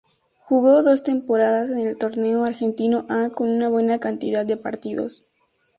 Jugó dos temporadas en el Torneo Argentino A con una buena cantidad de partidos.